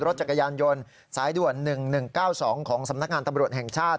รถจักรยานยนต์สายด่วน๑๑๙๒ของสำนักงานตำรวจแห่งชาติ